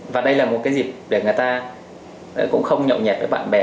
và đây là một cái dịp để người ta cũng không nhậu nhẹt với bạn bè